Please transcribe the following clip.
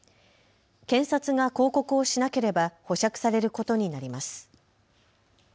検察が抗告をしなければ保釈されることになります。